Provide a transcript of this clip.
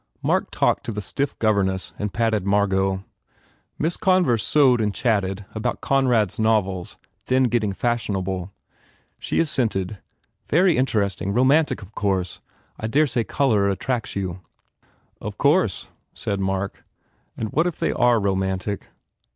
Mark talked to the stiff governess and patted Margot. Miss Converse sewed and chatted about Conrad s novels, then getting fashionable. She assented, "Very interesting. Romantic, of course. I dare say the colour attracts you." "Of course," said Mark, "and what if they are romantic?"